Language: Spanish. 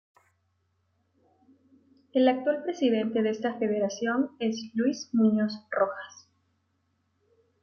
El actual presidente de esta federación es Luis Muñoz Rojas.